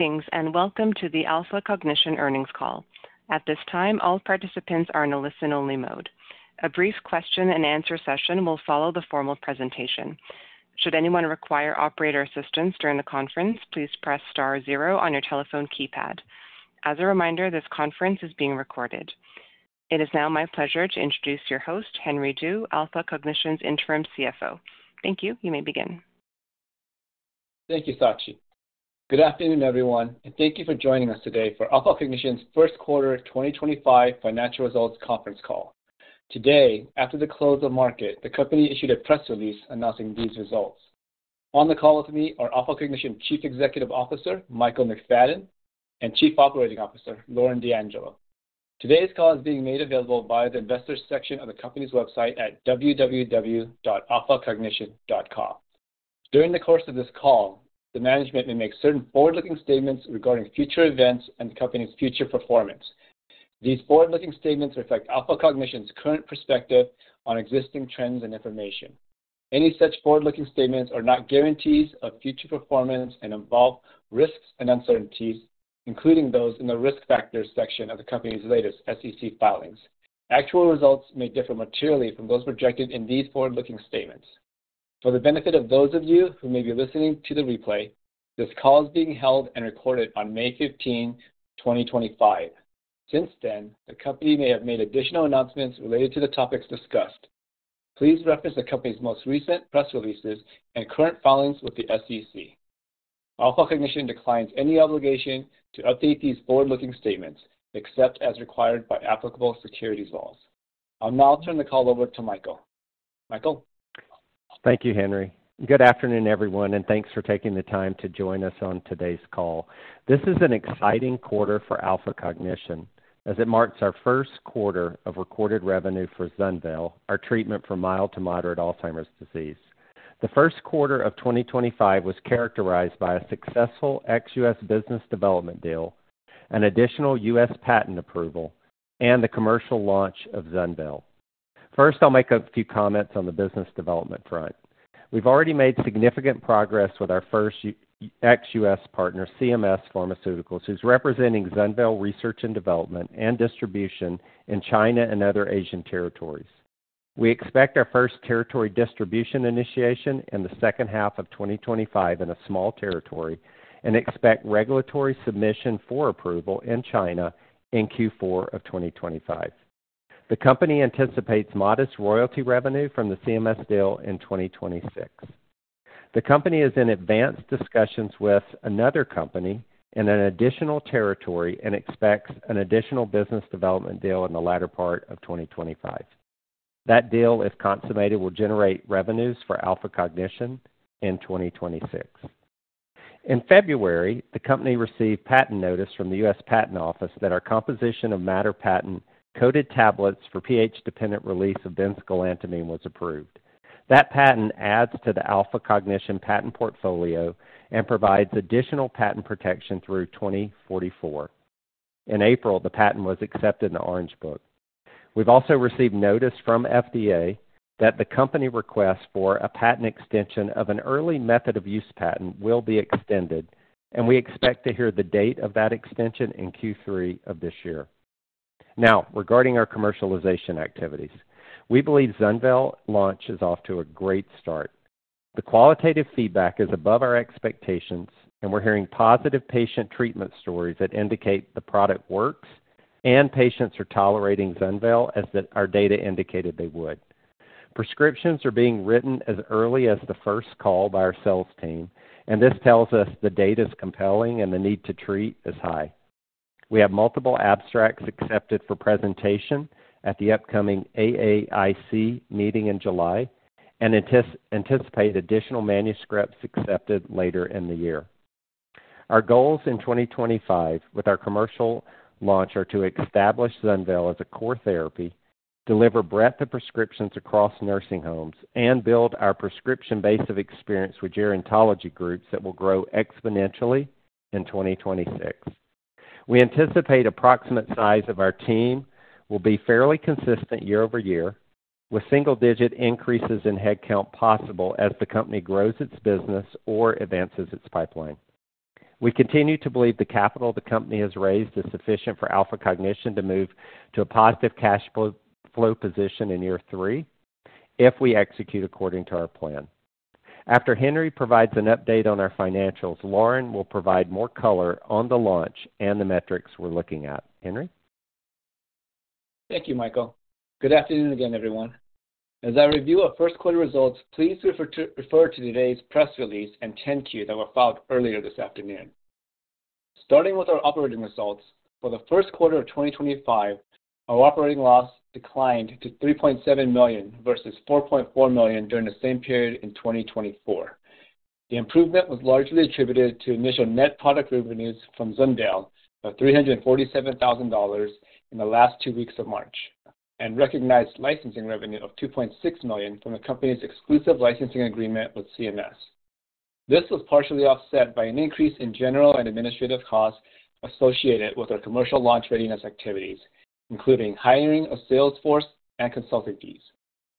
Things, and welcome to the Alpha Cognition Earnings Call. At this time, all participants are in a listen-only mode. A brief question-and-answer session will follow the formal presentation. Should anyone require operator assistance during the conference, please press * zero on your telephone keypad. As a reminder, this conference is being recorded. It is now my pleasure to introduce your host, Henry Du, Alpha Cognition's Interim CFO. Thank you. You may begin. Thank you, Sachi. Good afternoon, everyone, and thank you for joining us today for Alpha Cognition's first quarter 2025 financial results conference call. Today, after the close of market, the company issued a press release announcing these results. On the call with me are Alpha Cognition Chief Executive Officer, Michael Mcfadden, and Chief Operating Officer, Lauren D'Angelo. Today's call is being made available via the investors' section of the company's website at www.alphacognition.com. During the course of this call, the management may make certain forward-looking statements regarding future events and the company's future performance. These forward-looking statements reflect Alpha Cognition's current perspective on existing trends and information. Any such forward-looking statements are not guarantees of future performance and involve risks and uncertainties, including those in the risk factors section of the company's latest SEC filings. Actual results may differ materially from those projected in these forward-looking statements. For the benefit of those of you who may be listening to the replay, this call is being held and recorded on May 15, 2025. Since then, the company may have made additional announcements related to the topics discussed. Please reference the company's most recent press releases and current filings with the SEC. Alpha Cognition declines any obligation to update these forward-looking statements except as required by applicable securities laws. I'll now turn the call over to Michael. Michael. Thank you, Henry. Good afternoon, everyone, and thanks for taking the time to join us on today's call. This is an exciting quarter for Alpha Cognition as it marks our first quarter of recorded revenue for ZUNVEYL, our treatment for mild to moderate Alzheimer's disease. The first quarter of 2025 was characterized by a successful XUS business development deal, an additional US patent approval, and the commercial launch of ZUNVEYL. First, I'll make a few comments on the business development front. We've already made significant progress with our first XUS partner, CMS Pharmaceuticals, who's representing ZUNVEYL research and development and distribution in China and other Asian territories. We expect our first territory distribution initiation in the second half of 2025 in a small territory and expect regulatory submission for approval in China in Q4 of 2025. The company anticipates modest royalty revenue from the CMS deal in 2026. The company is in advanced discussions with another company in an additional territory and expects an additional business development deal in the latter part of 2025. That deal, if consummated, will generate revenues for Alpha Cognition in 2026. In February, the company received patent notice from the U.S. Patent Office that our composition of matter patent coded tablets for pH-dependent release of benzgalantamine was approved. That patent adds to the Alpha Cognition patent portfolio and provides additional patent protection through 2044. In April, the patent was accepted in the Orange Book. We've also received notice from FDA that the company requests for a patent extension of an early method of use patent will be extended, and we expect to hear the date of that extension in Q3 of this year. Now, regarding our commercialization activities, we believe ZUNVEYL launch is off to a great start. The qualitative feedback is above our expectations, and we're hearing positive patient treatment stories that indicate the product works and patients are tolerating ZUNVEYL as our data indicated they would. Prescriptions are being written as early as the first call by our sales team, and this tells us the data is compelling and the need to treat is high. We have multiple abstracts accepted for presentation at the upcoming AAIC meeting in July and anticipate additional manuscripts accepted later in the year. Our goals in 2025 with our commercial launch are to establish ZUNVEYL as a core therapy, deliver breadth of prescriptions across nursing homes, and build our prescription base of experience with gerontology groups that will grow exponentially in 2026. We anticipate the approximate size of our team will be fairly consistent year over year, with single-digit increases in headcount possible as the company grows its business or advances its pipeline. We continue to believe the capital the company has raised is sufficient for Alpha Cognition to move to a positive cash flow position in year three if we execute according to our plan. After Henry provides an update on our financials, Lauren will provide more color on the launch and the metrics we're looking at. Henry? Thank you, Michael. Good afternoon again, everyone. As I review our first quarter results, please refer to today's press release and 10Q that were filed earlier this afternoon. Starting with our operating results, for the first quarter of 2025, our operating loss declined to $3.7 million versus $4.4 million during the same period in 2024. The improvement was largely attributed to initial net product revenues from ZUNVEYL of $347,000 in the last two weeks of March and recognized licensing revenue of $2.6 million from the company's exclusive licensing agreement with CMS Pharmaceuticals. This was partially offset by an increase in general and administrative costs associated with our commercial launch readiness activities, including hiring of salesforce and consulting fees,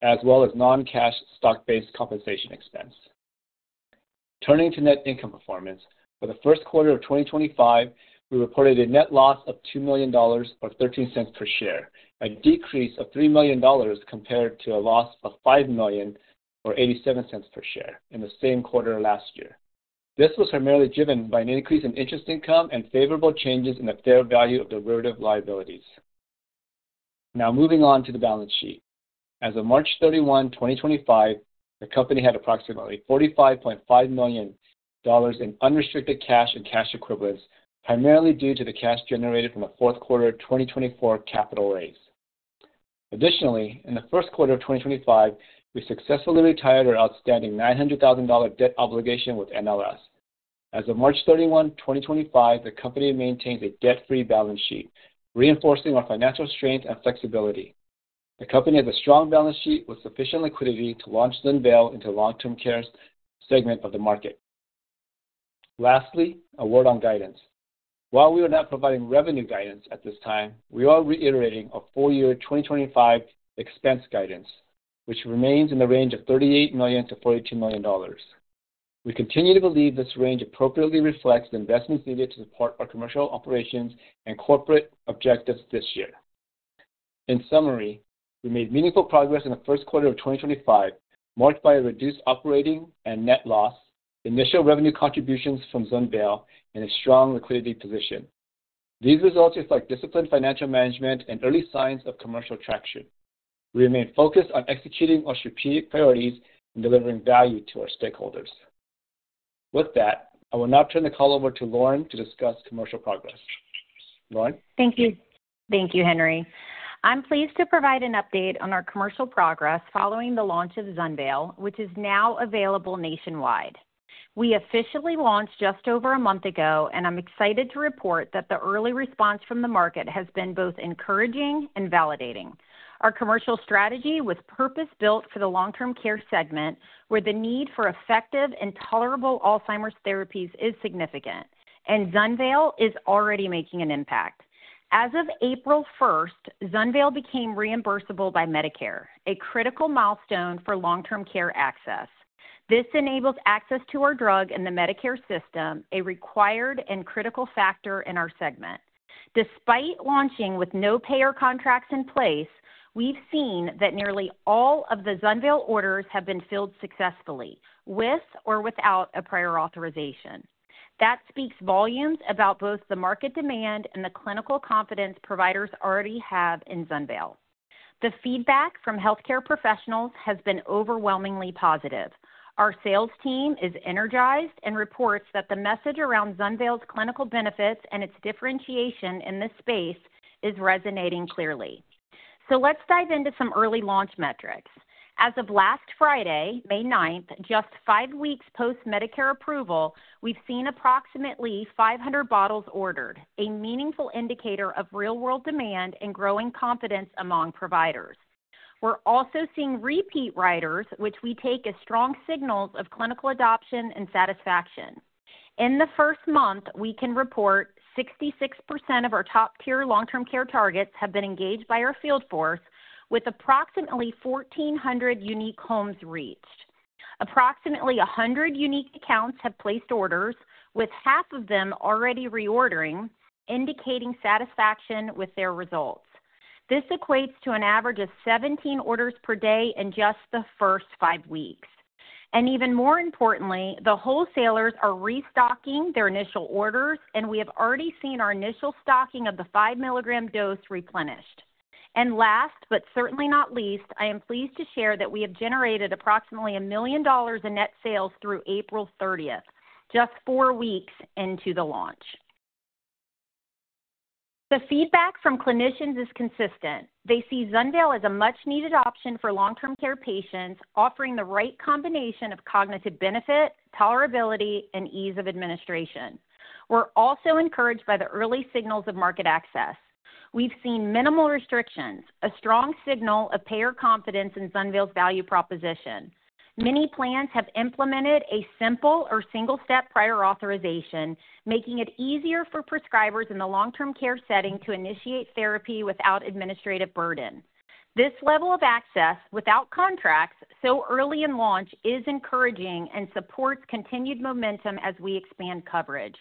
as well as non-cash stock-based compensation expense. Turning to net income performance, for the first quarter of 2025, we reported a net loss of $2 million or $0.13 per share, a decrease of $3 million compared to a loss of $5 million or $0.87 per share in the same quarter last year. This was primarily driven by an increase in interest income and favorable changes in the fair value of derivative liabilities. Now, moving on to the balance sheet. As of March 31, 2025, the company had approximately $45.5 million in unrestricted cash and cash equivalents, primarily due to the cash generated from the fourth quarter 2024 capital raise. Additionally, in the first quarter of 2025, we successfully retired our outstanding $900,000 debt obligation with NLS. As of March 31, 2025, the company maintains a debt-free balance sheet, reinforcing our financial strength and flexibility. The company has a strong balance sheet with sufficient liquidity to launch ZUNVEYL into the long-term care segment of the market. Lastly, a word on guidance. While we are not providing revenue guidance at this time, we are reiterating a full-year 2025 expense guidance, which remains in the range of $38 million-$42 million. We continue to believe this range appropriately reflects the investments needed to support our commercial operations and corporate objectives this year. In summary, we made meaningful progress in the first quarter of 2025, marked by a reduced operating and net loss, initial revenue contributions from ZUNVEYL, and a strong liquidity position. These results reflect disciplined financial management and early signs of commercial traction. We remain focused on executing our strategic priorities and delivering value to our stakeholders. With that, I will now turn the call over to Lauren to discuss commercial progress. Lauren? Thank you. Thank you, Henry. I'm pleased to provide an update on our commercial progress following the launch of ZUNVEYL, which is now available nationwide. We officially launched just over a month ago, and I'm excited to report that the early response from the market has been both encouraging and validating. Our commercial strategy was purpose-built for the long-term care segment, where the need for effective and tolerable Alzheimer's therapies is significant, and ZUNVEYL is already making an impact. As of April 1, ZUNVEYL became reimbursable by Medicare, a critical milestone for long-term care access. This enables access to our drug in the Medicare system, a required and critical factor in our segment. Despite launching with no payer contracts in place, we've seen that nearly all of the ZUNVEYL orders have been filled successfully, with or without a prior authorization. That speaks volumes about both the market demand and the clinical confidence providers already have in ZUNVEYL. The feedback from healthcare professionals has been overwhelmingly positive. Our sales team is energized and reports that the message around ZUNVEYL's clinical benefits and its differentiation in this space is resonating clearly. Let's dive into some early launch metrics. As of last Friday, May 9, just five weeks post-Medicare approval, we've seen approximately 500 bottles ordered, a meaningful indicator of real-world demand and growing confidence among providers. We're also seeing repeat orders, which we take as strong signals of clinical adoption and satisfaction. In the first month, we can report 66% of our top-tier long-term care targets have been engaged by our field force, with approximately 1,400 unique homes reached. Approximately 100 unique accounts have placed orders, with half of them already reordering, indicating satisfaction with their results. This equates to an average of 17 orders per day in just the first five weeks. Even more importantly, the wholesalers are restocking their initial orders, and we have already seen our initial stocking of the 5 mg dose replenished. Last, but certainly not least, I am pleased to share that we have generated approximately $1 million in net sales through April 30, just four weeks into the launch. The feedback from clinicians is consistent. They see ZUNVEYL as a much-needed option for long-term care patients, offering the right combination of cognitive benefit, tolerability, and ease of administration. We are also encouraged by the early signals of market access. We have seen minimal restrictions, a strong signal of payer confidence in ZUNVEYL's value proposition. Many plans have implemented a simple or single-step prior authorization, making it easier for prescribers in the long-term care setting to initiate therapy without administrative burden. This level of access without contracts so early in launch is encouraging and supports continued momentum as we expand coverage.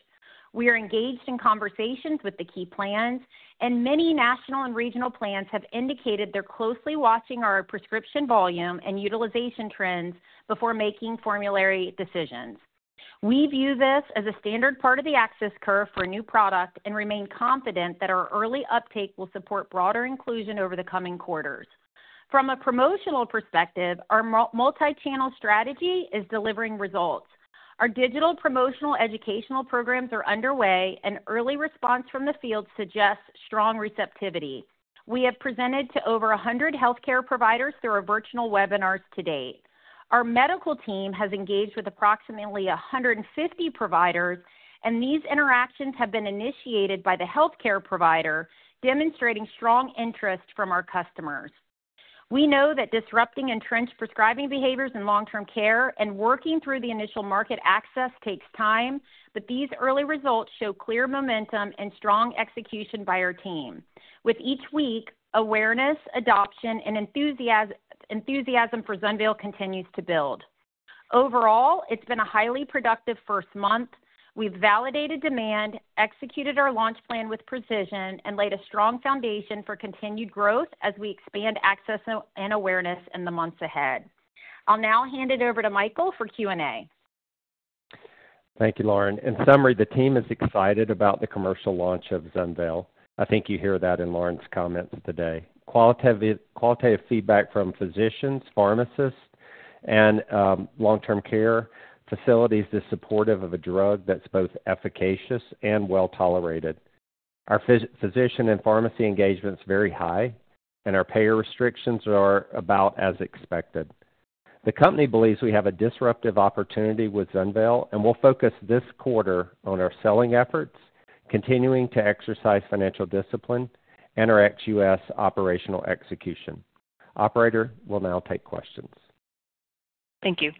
We are engaged in conversations with the key plans, and many national and regional plans have indicated they're closely watching our prescription volume and utilization trends before making formulary decisions. We view this as a standard part of the access curve for a new product and remain confident that our early uptake will support broader inclusion over the coming quarters. From a promotional perspective, our multi-channel strategy is delivering results. Our digital promotional educational programs are underway, and early response from the field suggests strong receptivity. We have presented to over 100 healthcare providers through our virtual webinars to date. Our medical team has engaged with approximately 150 providers, and these interactions have been initiated by the healthcare provider, demonstrating strong interest from our customers. We know that disrupting entrenched prescribing behaviors in long-term care and working through the initial market access takes time, but these early results show clear momentum and strong execution by our team. With each week, awareness, adoption, and enthusiasm for ZUNVEYL continues to build. Overall, it's been a highly productive first month. We've validated demand, executed our launch plan with precision, and laid a strong foundation for continued growth as we expand access and awareness in the months ahead. I'll now hand it over to Michael for Q&A. Thank you, Lauren. In summary, the team is excited about the commercial launch of ZUNVEYL. I think you hear that in Lauren's comments today. Qualitative feedback from physicians, pharmacists, and long-term care facilities is supportive of a drug that's both efficacious and well-tolerated. Our physician and pharmacy engagement is very high, and our payer restrictions are about as expected. The company believes we have a disruptive opportunity with ZUNVEYL, and we'll focus this quarter on our selling efforts, continuing to exercise financial discipline, and our XUS operational execution. Operator will now take questions. Thank you.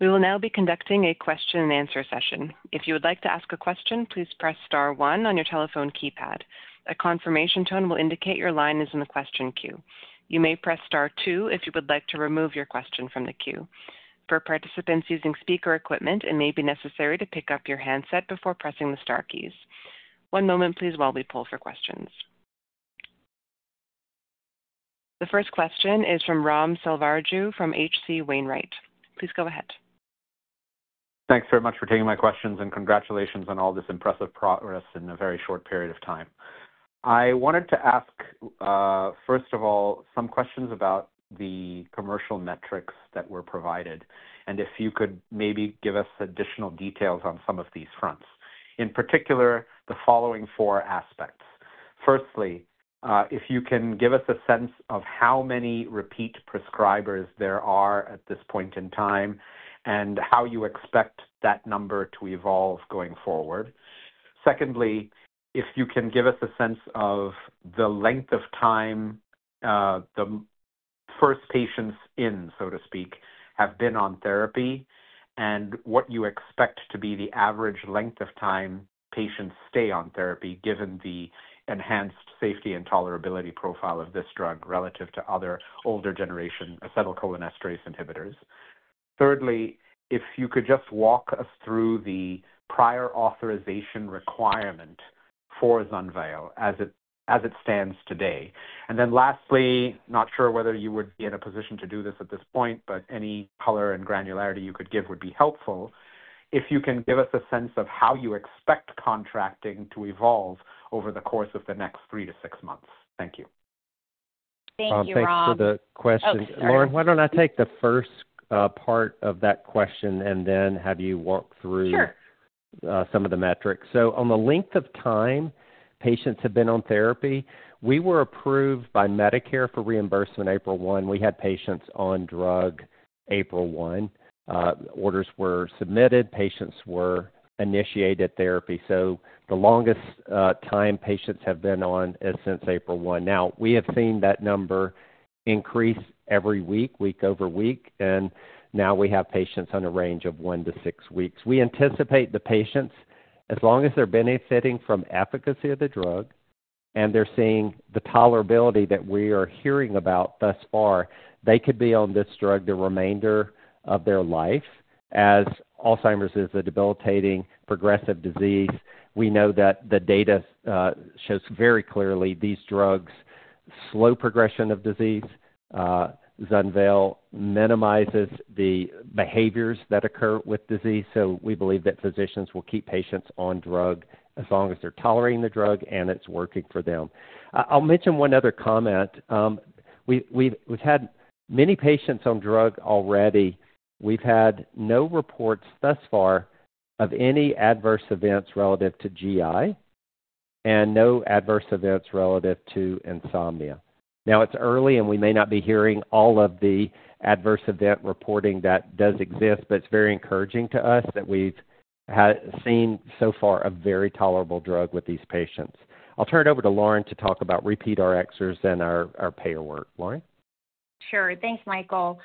We will now be conducting a question-and-answer session. If you would like to ask a question, please press * one on your telephone keypad. A confirmation tone will indicate your line is in the question queue. You may press * two if you would like to remove your question from the queue. For participants using speaker equipment, it may be necessary to pick up your handset before pressing the * keys. One moment, please, while we pull for questions. The first question is from Ram Selvaraju from H.C. Wainwright. Please go ahead. Thanks very much for taking my questions, and congratulations on all this impressive progress in a very short period of time. I wanted to ask, first of all, some questions about the commercial metrics that were provided and if you could maybe give us additional details on some of these fronts. In particular, the following four aspects. Firstly, if you can give us a sense of how many repeat prescribers there are at this point in time and how you expect that number to evolve going forward. Secondly, if you can give us a sense of the length of time the first patients in, so to speak, have been on therapy and what you expect to be the average length of time patients stay on therapy given the enhanced safety and tolerability profile of this drug relative to other older generation acetylcholinesterase inhibitors. Thirdly, if you could just walk us through the prior authorization requirement for ZUNVEYL as it stands today. Lastly, not sure whether you would be in a position to do this at this point, but any color and granularity you could give would be helpful. If you can give us a sense of how you expect contracting to evolve over the course of the next three to six months. Thank you. Thank you, Ram. Thanks for the question. Lauren, why don't I take the first part of that question and then have you walk through some of the metrics. On the length of time patients have been on therapy, we were approved by Medicare for reimbursement April 1. We had patients on drug April 1. Orders were submitted. Patients were initiated therapy. The longest time patients have been on is since April 1. We have seen that number increase every week, week over week, and now we have patients on a range of one to six weeks. We anticipate the patients, as long as they're benefiting from efficacy of the drug and they're seeing the tolerability that we are hearing about thus far, they could be on this drug the remainder of their life. As Alzheimer's is a debilitating progressive disease, we know that the data shows very clearly these drugs slow progression of disease. ZUNVEYL minimizes the behaviors that occur with disease, so we believe that physicians will keep patients on drug as long as they're tolerating the drug and it's working for them. I'll mention one other comment. We've had many patients on drug already. We've had no reports thus far of any adverse events relative to GI and no adverse events relative to insomnia. Now, it's early, and we may not be hearing all of the adverse event reporting that does exist, but it's very encouraging to us that we've seen so far a very tolerable drug with these patients. I'll turn it over to Lauren to talk about repeat Rxers and our payer work. Lauren? Sure. Thanks, Michael.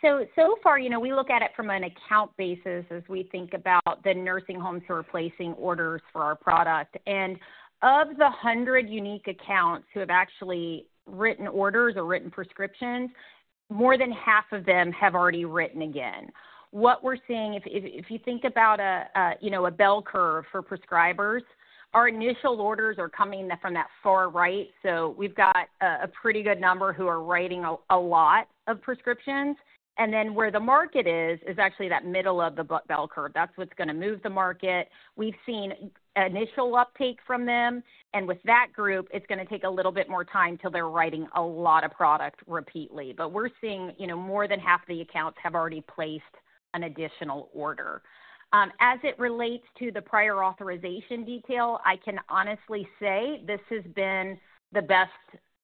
So far, we look at it from an account basis as we think about the nursing homes who are placing orders for our product. Of the 100 unique accounts who have actually written orders or written prescriptions, more than half of them have already written again. What we're seeing, if you think about a bell curve for prescribers, our initial orders are coming from that far right. We have a pretty good number who are writing a lot of prescriptions. Where the market is, is actually that middle of the bell curve. That is what is going to move the market. We have seen initial uptake from them. With that group, it is going to take a little bit more time till they are writing a lot of product repeatedly. We are seeing more than half of the accounts have already placed an additional order. As it relates to the prior authorization detail, I can honestly say this has been the best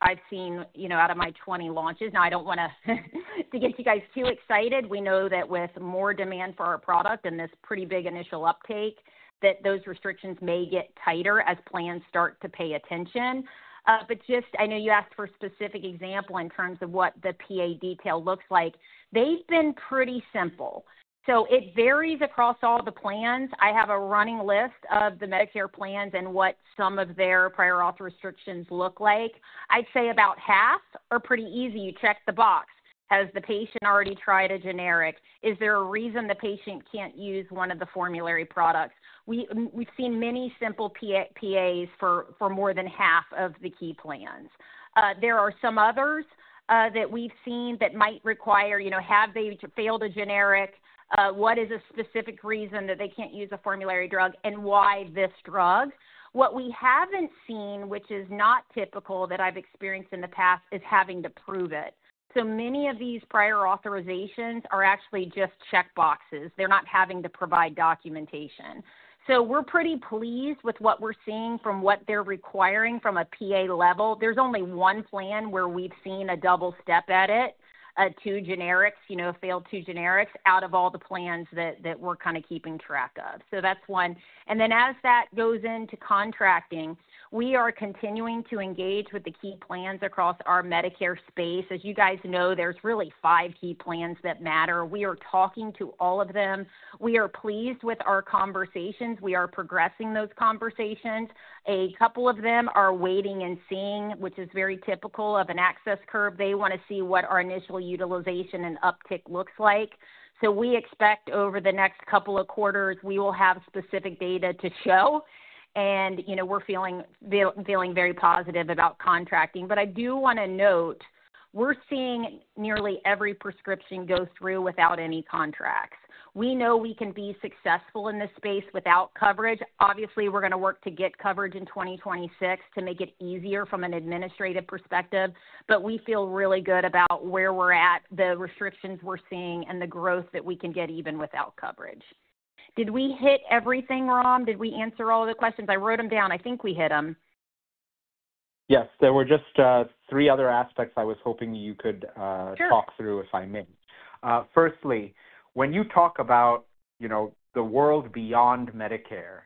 I've seen out of my 20 launches. Now, I don't want to get you guys too excited. We know that with more demand for our product and this pretty big initial uptake, that those restrictions may get tighter as plans start to pay attention. I know you asked for a specific example in terms of what the PA detail looks like. They've been pretty simple. It varies across all the plans. I have a running list of the Medicare plans and what some of their prior authorization restrictions look like. I'd say about half are pretty easy. You check the box. Has the patient already tried a generic? Is there a reason the patient can't use one of the formulary products? We've seen many simple PAs for more than half of the key plans. There are some others that we've seen that might require, have they failed a generic? What is a specific reason that they can't use a formulary drug and why this drug? What we haven't seen, which is not typical that I've experienced in the past, is having to prove it. Many of these prior authorizations are actually just checkboxes. They're not having to provide documentation. We're pretty pleased with what we're seeing from what they're requiring from a PA level. There's only one plan where we've seen a double step at it, two generics, failed two generics out of all the plans that we're kind of keeping track of. That's one. As that goes into contracting, we are continuing to engage with the key plans across our Medicare space. As you guys know, there's really five key plans that matter. We are talking to all of them. We are pleased with our conversations. We are progressing those conversations. A couple of them are waiting and seeing, which is very typical of an access curve. They want to see what our initial utilization and uptake looks like. We expect over the next couple of quarters, we will have specific data to show. We are feeling very positive about contracting. I do want to note, we're seeing nearly every prescription go through without any contracts. We know we can be successful in this space without coverage. Obviously, we're going to work to get coverage in 2026 to make it easier from an administrative perspective, but we feel really good about where we're at, the restrictions we're seeing, and the growth that we can get even without coverage. Did we hit everything, Ram? Did we answer all of the questions? I wrote them down. I think we hit them. Yes. There were just three other aspects I was hoping you could talk through, if I may. Firstly, when you talk about the world beyond Medicare,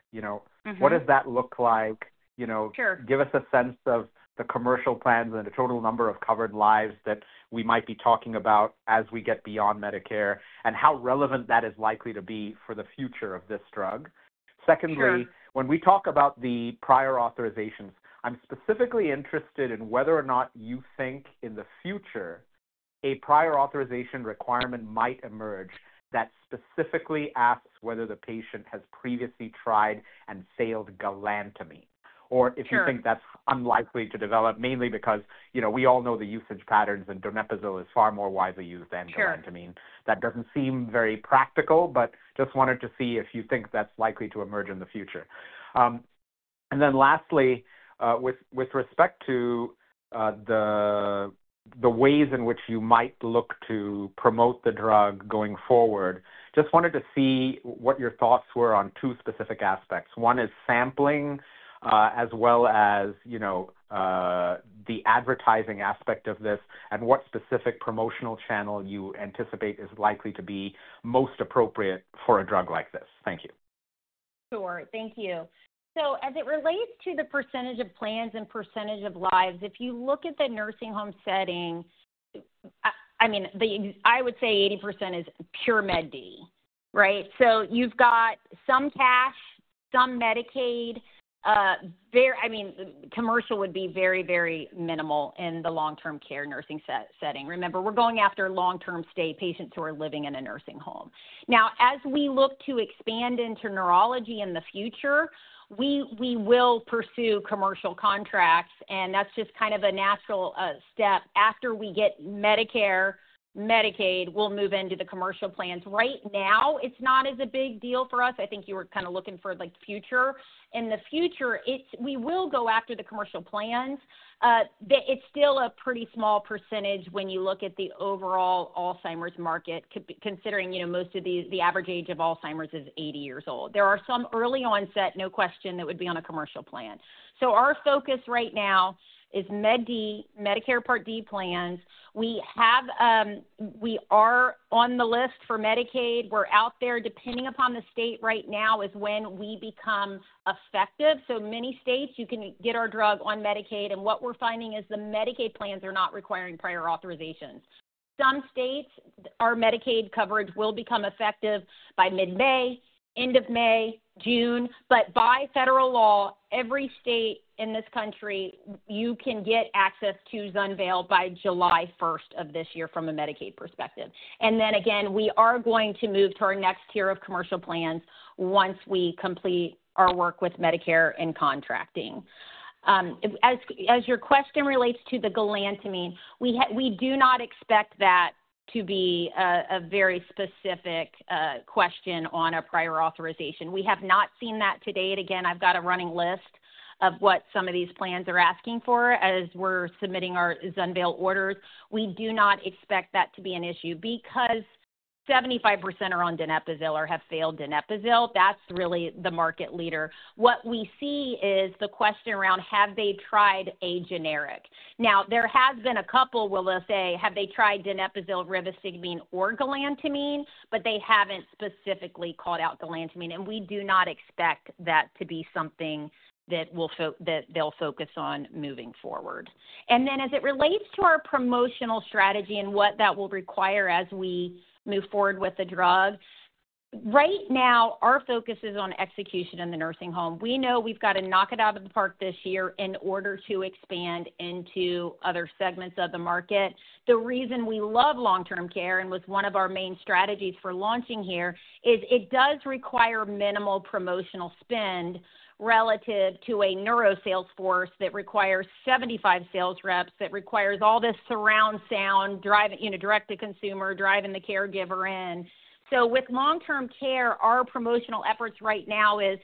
what does that look like? Give us a sense of the commercial plans and the total number of covered lives that we might be talking about as we get beyond Medicare and how relevant that is likely to be for the future of this drug. Secondly, when we talk about the prior authorizations, I'm specifically interested in whether or not you think in the future a prior authorization requirement might emerge that specifically asks whether the patient has previously tried and failed galantamine. Or if you think that's unlikely to develop, mainly because we all know the usage patterns and donepezil is far more widely used than galantamine. That does not seem very practical, but just wanted to see if you think that is likely to emerge in the future. Lastly, with respect to the ways in which you might look to promote the drug going forward, just wanted to see what your thoughts were on two specific aspects. One is sampling as well as the advertising aspect of this and what specific promotional channel you anticipate is likely to be most appropriate for a drug like this. Thank you. Sure. Thank you. As it relates to the percentage of plans and percentage of lives, if you look at the nursing home setting, I mean, I would say 80% is pure Med D, right? You have some cash, some Medicaid. I mean, commercial would be very, very minimal in the long-term care nursing setting. Remember, we are going after long-term stay patients who are living in a nursing home. Now, as we look to expand into neurology in the future, we will pursue commercial contracts, and that is just kind of a natural step. After we get Medicare, Medicaid, we will move into the commercial plans. Right now, it is not as a big deal for us. I think you were kind of looking for the future. In the future, we will go after the commercial plans. It's still a pretty small percentage when you look at the overall Alzheimer's market, considering most of the average age of Alzheimer's is 80 years old. There are some early onset, no question, that would be on a commercial plan. Our focus right now is med D, Medicare Part D plans. We are on the list for Medicaid. We're out there. Depending upon the state right now is when we become effective. Many states, you can get our drug on Medicaid. What we're finding is the Medicaid plans are not requiring prior authorizations. Some states, our Medicaid coverage will become effective by mid-May, end of May, June. By federal law, every state in this country, you can get access to ZUNVEYL by July 1 of this year from a Medicaid perspective. Then again, we are going to move to our next tier of commercial plans once we complete our work with Medicare and contracting. As your question relates to the galantamine, we do not expect that to be a very specific question on a prior authorization. We have not seen that to date. Again, I've got a running list of what some of these plans are asking for as we're submitting our ZUNVEYL orders. We do not expect that to be an issue because 75% are on donepezil or have failed donepezil. That's really the market leader. What we see is the question around, have they tried a generic? Now, there has been a couple will say, have they tried donepezil, rivastigmine, or galantamine, but they haven't specifically called out galantamine. We do not expect that to be something that they'll focus on moving forward. As it relates to our promotional strategy and what that will require as we move forward with the drug, right now, our focus is on execution in the nursing home. We know we have to knock it out of the park this year in order to expand into other segments of the market. The reason we love long-term care and it was one of our main strategies for launching here is it does require minimal promotional spend relative to a neuro salesforce that requires 75 sales reps, that requires all this surround sound, direct-to-consumer, driving the caregiver in. With long-term care, our promotional efforts right now are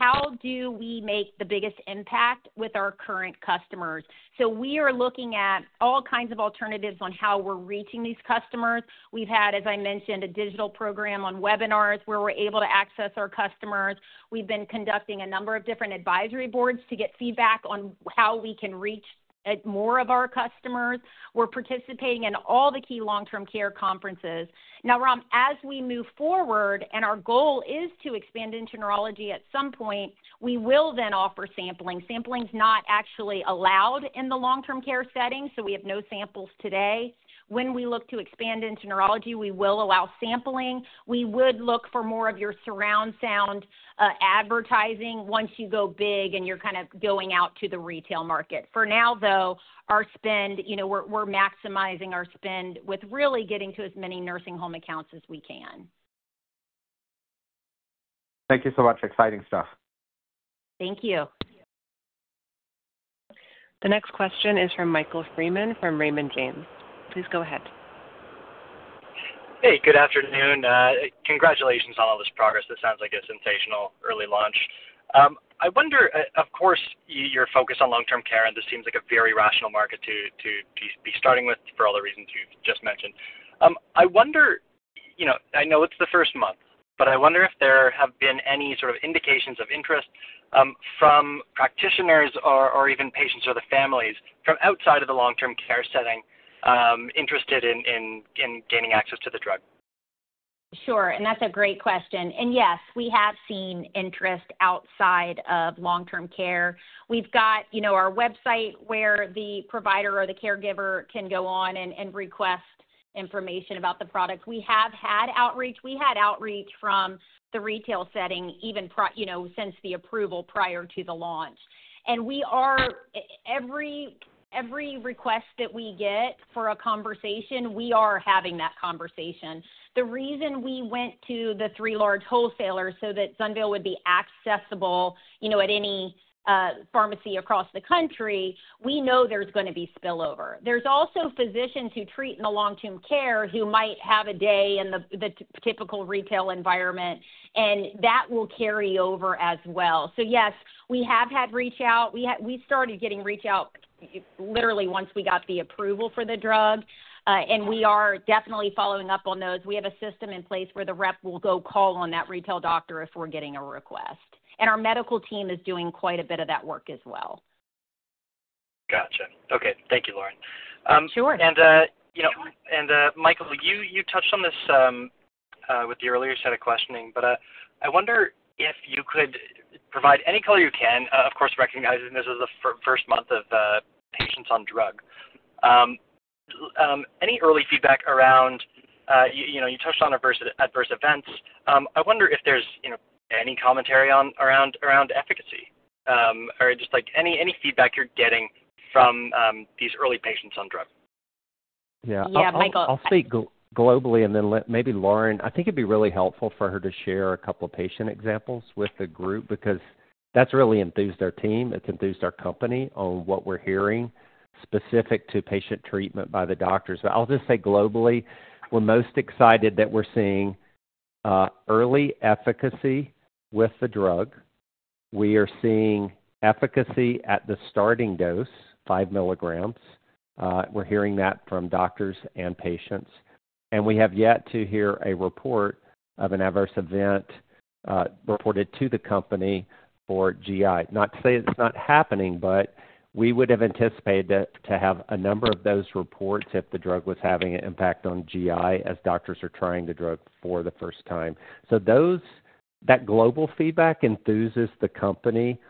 how do we make the biggest impact with our current customers? We are looking at all kinds of alternatives on how we are reaching these customers. We've had, as I mentioned, a digital program on webinars where we're able to access our customers. We've been conducting a number of different advisory boards to get feedback on how we can reach more of our customers. We're participating in all the key long-term care conferences. Now, Ram, as we move forward, and our goal is to expand into neurology at some point, we will then offer sampling. Sampling's not actually allowed in the long-term care setting, so we have no samples today. When we look to expand into neurology, we will allow sampling. We would look for more of your surround sound advertising once you go big and you're kind of going out to the retail market. For now, though, our spend, we're maximizing our spend with really getting to as many nursing home accounts as we can. Thank you so much. Exciting stuff. Thank you. The next question is from Michael Freeman from Raymond James. Please go ahead. Hey, good afternoon. Congratulations on all this progress. This sounds like a sensational early launch. I wonder, of course, your focus on long-term care, and this seems like a very rational market to be starting with for all the reasons you've just mentioned. I wonder, I know it's the first month, but I wonder if there have been any sort of indications of interest from practitioners or even patients or the families from outside of the long-term care setting interested in gaining access to the drug. Sure. That is a great question. Yes, we have seen interest outside of long-term care. We have our website where the provider or the caregiver can go on and request information about the product. We have had outreach. We had outreach from the retail setting even since the approval prior to the launch. Every request that we get for a conversation, we are having that conversation. The reason we went to the three large wholesalers is so that ZUNVEYL would be accessible at any pharmacy across the country. We know there is going to be spillover. There are also physicians who treat in long-term care who might have a day in the typical retail environment, and that will carry over as well. Yes, we have had reach out. We started getting reach out literally once we got the approval for the drug. We are definitely following up on those. We have a system in place where the rep will go call on that retail doctor if we're getting a request. Our medical team is doing quite a bit of that work as well. Gotcha. Okay. Thank you, Lauren. Sure. Michael, you touched on this with the earlier set of questioning, but I wonder if you could provide any color you can, of course, recognizing this is the first month of patients on drug. Any early feedback around—you touched on adverse events. I wonder if there's any commentary around efficacy or just any feedback you're getting from these early patients on drug. Yeah. I'll speak globally, and then maybe Lauren, I think it'd be really helpful for her to share a couple of patient examples with the group because that's really enthused our team. It's enthused our company on what we're hearing specific to patient treatment by the doctors. I'll just say globally, we're most excited that we're seeing early efficacy with the drug. We are seeing efficacy at the starting dose, 5 milligrams. We're hearing that from doctors and patients. We have yet to hear a report of an adverse event reported to the company for GI. Not to say it's not happening, but we would have anticipated to have a number of those reports if the drug was having an impact on GI as doctors are trying the drug for the first time. That global feedback enthuses the company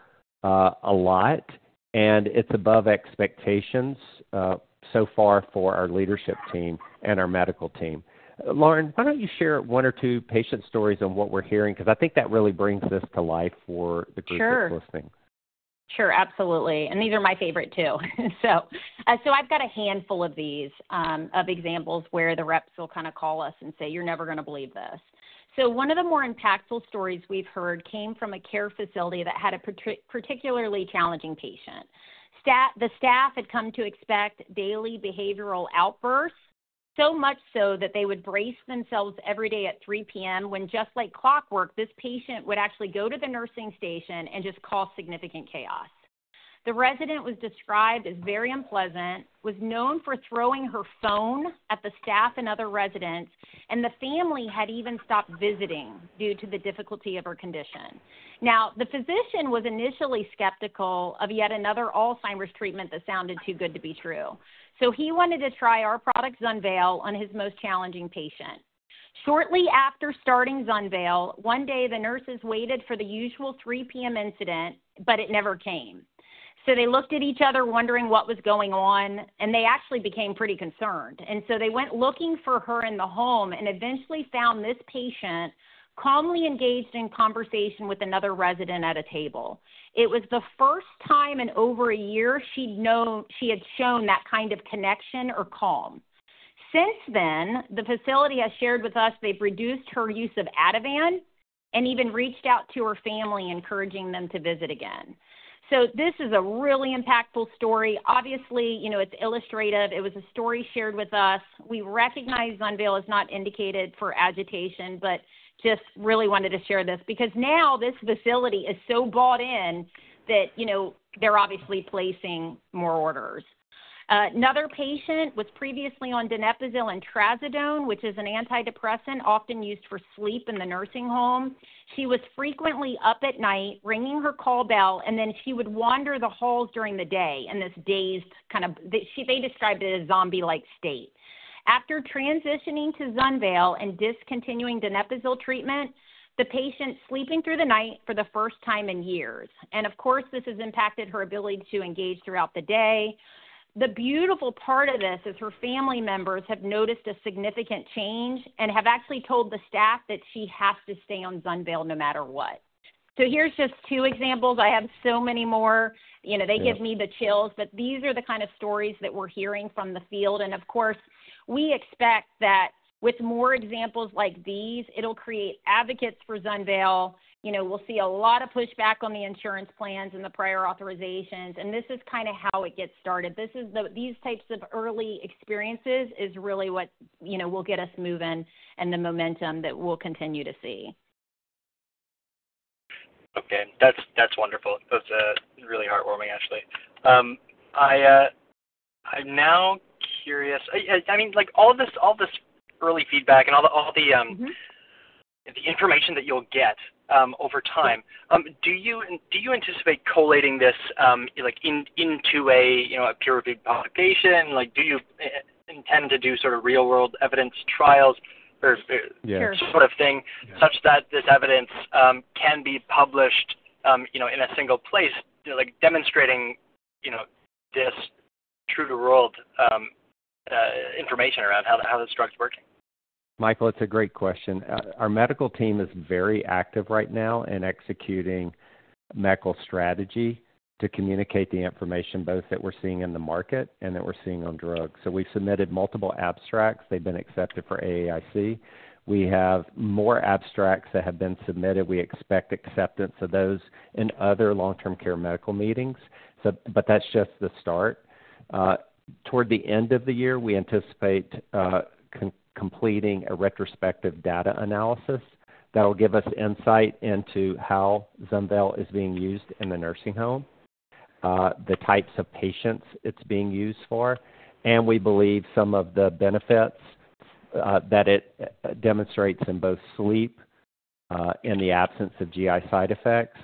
a lot, and it's above expectations so far for our leadership team and our medical team. Lauren, why don't you share one or two patient stories on what we're hearing? Because I think that really brings this to life for the group that's listening. Sure. Absolutely. These are my favorite too. I've got a handful of these examples where the reps will kind of call us and say, "You're never going to believe this." One of the more impactful stories we've heard came from a care facility that had a particularly challenging patient. The staff had come to expect daily behavioral outbursts, so much so that they would brace themselves every day at 3:00 P.M. when, just like clockwork, this patient would actually go to the nursing station and just cause significant chaos. The resident was described as very unpleasant, was known for throwing her phone at the staff and other residents, and the family had even stopped visiting due to the difficulty of her condition. Now, the physician was initially skeptical of yet another Alzheimer's treatment that sounded too good to be true. He wanted to try our product, ZUNVEYL, on his most challenging patient. Shortly after starting ZUNVEYL, one day, the nurses waited for the usual 3:00 P.M. incident, but it never came. They looked at each other wondering what was going on, and they actually became pretty concerned. They went looking for her in the home and eventually found this patient calmly engaged in conversation with another resident at a table. It was the first time in over a year she had shown that kind of connection or calm. Since then, the facility has shared with us they've reduced her use of Ativan and even reached out to her family, encouraging them to visit again. This is a really impactful story. Obviously, it's illustrative. It was a story shared with us. We recognize ZUNVEYL is not indicated for agitation, but just really wanted to share this because now this facility is so bought in that they're obviously placing more orders. Another patient was previously on donepezil and trazodone, which is an antidepressant often used for sleep in the nursing home. She was frequently up at night, ringing her call bell, and then she would wander the halls during the day in this dazed kind of, they described it as zombie-like state. After transitioning to ZUNVEYL and discontinuing donepezil treatment, the patient's sleeping through the night for the first time in years. Of course, this has impacted her ability to engage throughout the day. The beautiful part of this is her family members have noticed a significant change and have actually told the staff that she has to stay on ZUNVEYL no matter what. Here's just two examples. I have so many more. They give me the chills, but these are the kind of stories that we're hearing from the field. Of course, we expect that with more examples like these, it'll create advocates for ZUNVEYL. We'll see a lot of pushback on the insurance plans and the prior authorizations. This is kind of how it gets started. These types of early experiences is really what will get us moving and the momentum that we'll continue to see. Okay. That's wonderful. That's really heartwarming, actually. I'm now curious. I mean, all this early feedback and all the information that you'll get over time, do you anticipate collating this into a peer-reviewed publication? Do you intend to do sort of real-world evidence trials or sort of thing such that this evidence can be published in a single place demonstrating this true-to-world information around how this drug's working? Michael, it's a great question. Our medical team is very active right now in executing medical strategy to communicate the information both that we're seeing in the market and that we're seeing on drugs. We've submitted multiple abstracts. They've been accepted for AAIC. We have more abstracts that have been submitted. We expect acceptance of those in other long-term care medical meetings, but that's just the start. Toward the end of the year, we anticipate completing a retrospective data analysis that will give us insight into how ZUNVEYL is being used in the nursing home, the types of patients it's being used for, and we believe some of the benefits that it demonstrates in both sleep and the absence of GI side effects,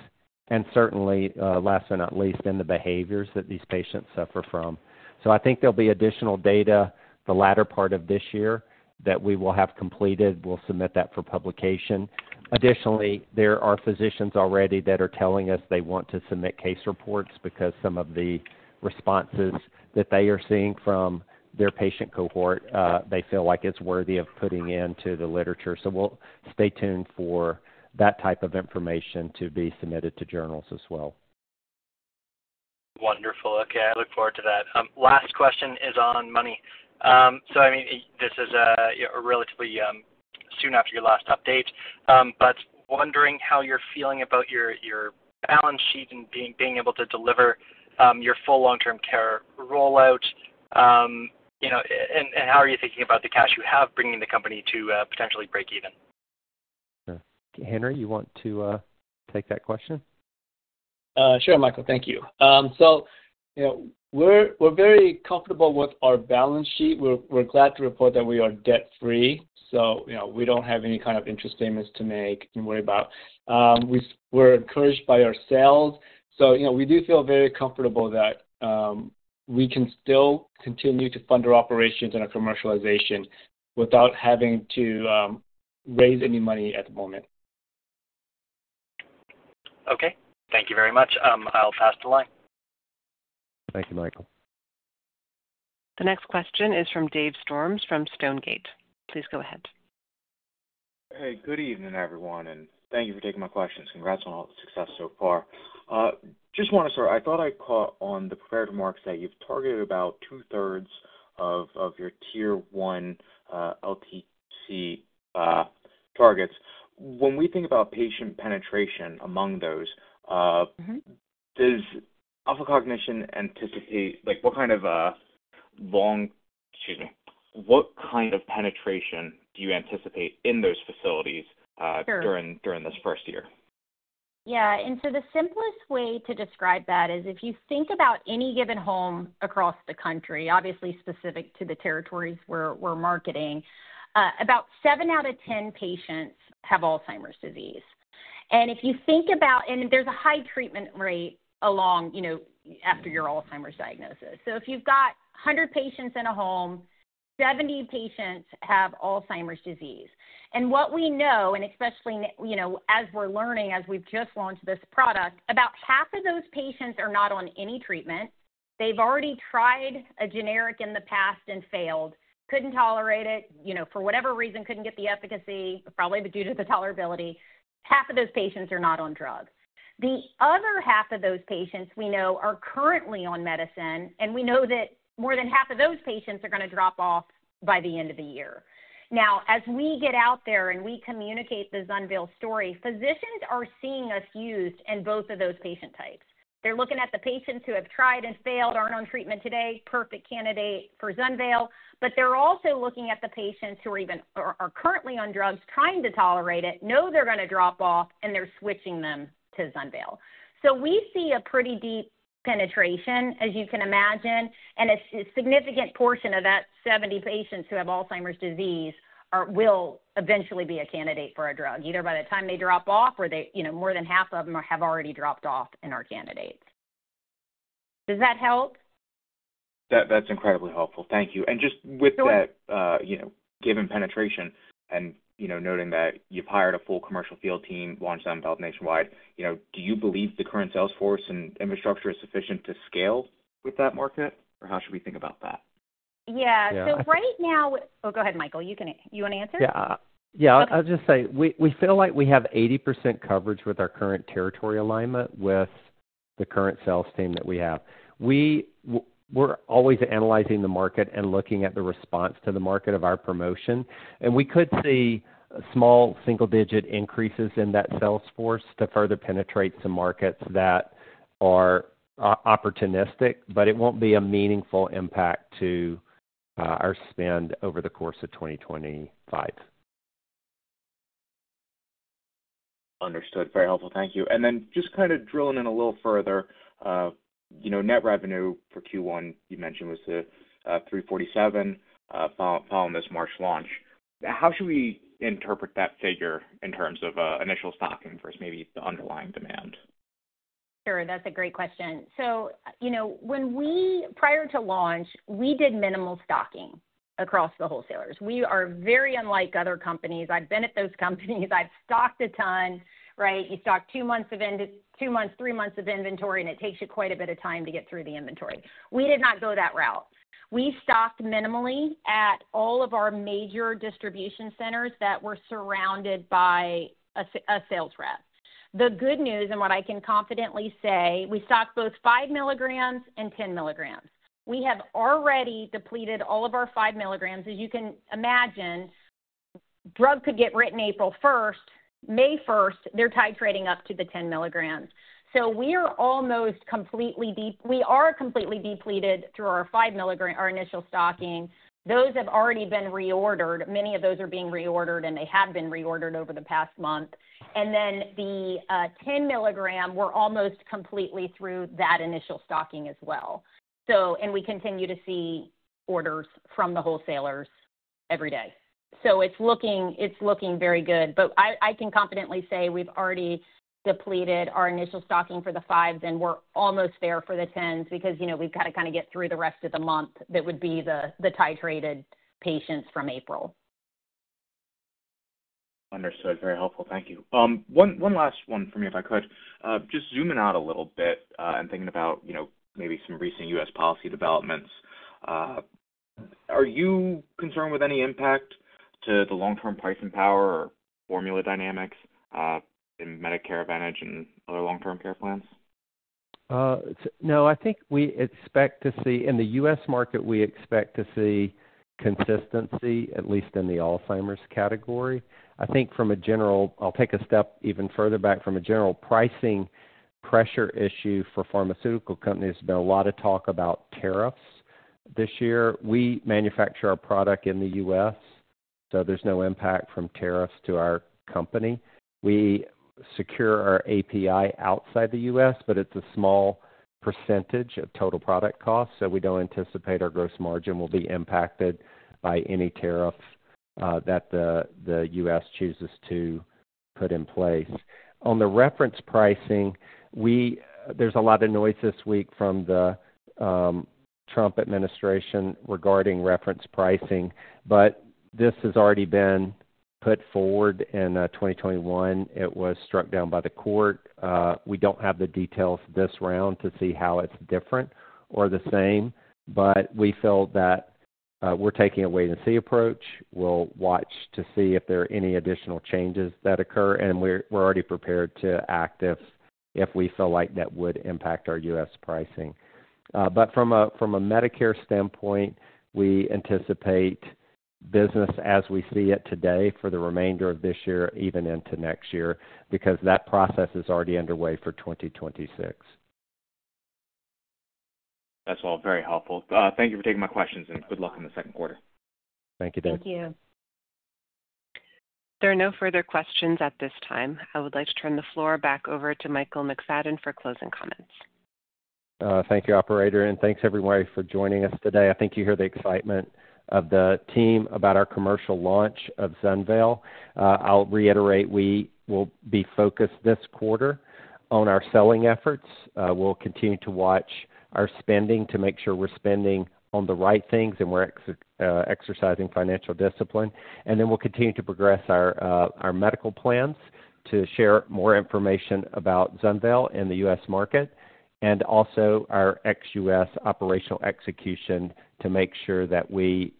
and certainly, last but not least, in the behaviors that these patients suffer from. I think there'll be additional data the latter part of this year that we will have completed. We'll submit that for publication. Additionally, there are physicians already that are telling us they want to submit case reports because some of the responses that they are seeing from their patient cohort, they feel like it's worthy of putting into the literature. We'll stay tuned for that type of information to be submitted to journals as well. Wonderful. Okay. I look forward to that. Last question is on money. I mean, this is relatively soon after your last update, but wondering how you're feeling about your balance sheet and being able to deliver your full long-term care rollout, and how are you thinking about the cash you have bringing the company to potentially break even? Henry, you want to take that question? Sure, Michael. Thank you. We are very comfortable with our balance sheet. We are glad to report that we are debt-free. We do not have any kind of interest payments to make and worry about. We are encouraged by ourselves. We do feel very comfortable that we can still continue to fund our operations and our commercialization without having to raise any money at the moment. Okay. Thank you very much. I'll pass the line. Thank you, Michael. The next question is from Dave Storms from Stonegate. Please go ahead. Hey, good evening, everyone, and thank you for taking my questions. Congrats on all the success so far. Just want to start, I thought I caught on the prepared remarks that you've targeted about two-thirds of your tier-one LTC targets. When we think about patient penetration among those, does Alpha Cognition anticipate what kind of long—excuse me—what kind of penetration do you anticipate in those facilities during this first year? Yeah. The simplest way to describe that is if you think about any given home across the country, obviously specific to the territories we're marketing, about 7 out of 10 patients have Alzheimer's disease. If you think about it, there's a high treatment rate along after your Alzheimer's diagnosis. If you've got 100 patients in a home, 70 patients have Alzheimer's disease. What we know, and especially as we're learning as we've just launched this product, about half of those patients are not on any treatment. They've already tried a generic in the past and failed, couldn't tolerate it, for whatever reason, couldn't get the efficacy, probably due to the tolerability. Half of those patients are not on drugs. The other half of those patients we know are currently on medicine, and we know that more than half of those patients are going to drop off by the end of the year. Now, as we get out there and we communicate the ZUNVEYL story, physicians are seeing us used in both of those patient types. They're looking at the patients who have tried and failed, aren't on treatment today, perfect candidate for ZUNVEYL, but they're also looking at the patients who are currently on drugs, trying to tolerate it, know they're going to drop off, and they're switching them to ZUNVEYL. We see a pretty deep penetration, as you can imagine, and a significant portion of that 70 patients who have Alzheimer's disease will eventually be a candidate for a drug, either by the time they drop off or more than half of them have already dropped off and are candidates. Does that help? That's incredibly helpful. Thank you. Just with that given penetration and noting that you've hired a full commercial field team, launched ZUNVEYL nationwide, do you believe the current sales force and infrastructure is sufficient to scale with that market, or how should we think about that? Yeah. So right now—oh, go ahead, Michael. You want to answer? Yeah. I'll just say we feel like we have 80% coverage with our current territory alignment with the current sales team that we have. We're always analyzing the market and looking at the response to the market of our promotion. We could see small single-digit increases in that sales force to further penetrate some markets that are opportunistic, but it won't be a meaningful impact to our spend over the course of 2025. Understood. Very helpful. Thank you. Just kind of drilling in a little further, net revenue for Q1, you mentioned, was $347 following this March launch. How should we interpret that figure in terms of initial stocking versus maybe the underlying demand? Sure. That's a great question. Prior to launch, we did minimal stocking across the wholesalers. We are very unlike other companies. I've been at those companies. I've stocked a ton, right? You stock two months, three months of inventory, and it takes you quite a bit of time to get through the inventory. We did not go that route. We stocked minimally at all of our major distribution centers that were surrounded by a sales rep. The good news, and what I can confidently say, we stocked both 5 milligrams and 10 milligrams. We have already depleted all of our 5 milligrams. As you can imagine, drug could get written April 1st. May 1st, they're titrating up to the 10 milligrams. We are almost completely—we are completely depleted through our 5 milligram, our initial stocking. Those have already been reordered. Many of those are being reordered, and they have been reordered over the past month. The 10 milligram, we're almost completely through that initial stocking as well. We continue to see orders from the wholesalers every day. It is looking very good. I can confidently say we've already depleted our initial stocking for the 5s, and we're almost there for the 10s because we've got to kind of get through the rest of the month that would be the titrated patients from April. Understood. Very helpful. Thank you. One last one for me, if I could. Just zooming out a little bit and thinking about maybe some recent U.S. policy developments. Are you concerned with any impact to the long-term pricing power or formula dynamics in Medicare Advantage and other long-term care plans? No. I think we expect to see—in the US market, we expect to see consistency, at least in the Alzheimer's category. I think from a general—I'll take a step even further back—from a general pricing pressure issue for pharmaceutical companies, there's been a lot of talk about tariffs this year. We manufacture our product in the US, so there's no impact from tariffs to our company. We secure our API outside the US, but it's a small percentage of total product costs, so we don't anticipate our gross margin will be impacted by any tariffs that the US chooses to put in place. On the reference pricing, there's a lot of noise this week from the Trump administration regarding reference pricing, but this has already been put forward in 2021. It was struck down by the court. We don't have the details this round to see how it's different or the same, but we feel that we're taking a wait-and-see approach. We'll watch to see if there are any additional changes that occur, and we're already prepared to act if we feel like that would impact our US pricing. From a Medicare standpoint, we anticipate business as we see it today for the remainder of this year, even into next year, because that process is already underway for 2026. That's all very helpful. Thank you for taking my questions, and good luck in the second quarter. Thank you, Dave. Thank you. If there are no further questions at this time, I would like to turn the floor back over to Michael Mcfadden for closing comments. Thank you, Operator, and thanks everyone for joining us today. I think you hear the excitement of the team about our commercial launch of ZUNVEYL. I'll reiterate, we will be focused this quarter on our selling efforts. We'll continue to watch our spending to make sure we're spending on the right things and we're exercising financial discipline. We'll continue to progress our medical plans to share more information about ZUNVEYL and the US market, and also our XUS operational execution to make sure that we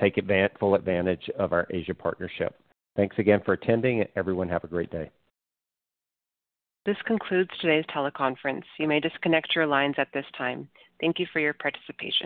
take full advantage of our Asia partnership. Thanks again for attending, and everyone, have a great day. This concludes today's teleconference. You may disconnect your lines at this time. Thank you for your participation.